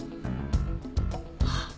あっ！